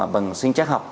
bằng sinh chắc học